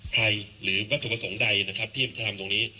หรือวัตถุประสงค์ใดนะครับที่จะทำตรงนี้